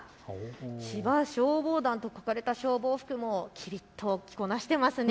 千葉消防団と書かれた消防服もきりっと着こなしていますね。